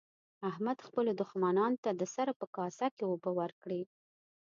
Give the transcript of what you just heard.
احمد خپلو دوښمنانو ته د سره په کاسه کې اوبه ورکړې.